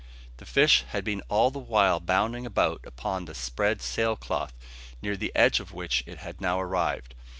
The fish had been all the while bounding about upon the spread sail cloth, near the edge of which it had now arrived.